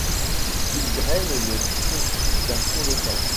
Il draîne les précipitations locales.